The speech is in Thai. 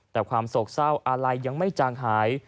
แต่ความโศกเศร้าอะไรยังไม่จางหาย